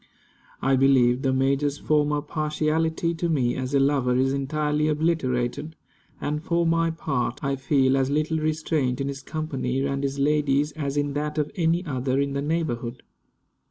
I believe the major's former partiality to me as a lover is entirely obliterated; and for my part, I feel as little restraint in his company and his lady's as in that of any other in the neighborhood.